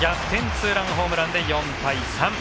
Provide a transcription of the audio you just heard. ツーランホームランで４対３。